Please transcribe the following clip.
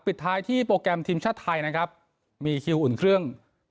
ปิดท้ายที่โปรแกรมทีมชาติไทยนะครับมีคิวอุ่นเครื่อง